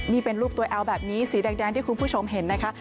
นี่เป็นรูปตัวแอลแบบนี้สีแดงที่คุณผู้ชมเห็นนะคะ